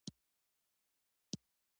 د ازرې ولسوالۍ لیرې ده